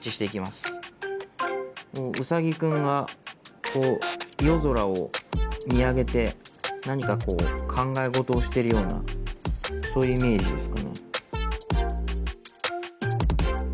ウサギくんがこう夜空を見上げて何かこう考え事をしてるようなそういうイメージですかね。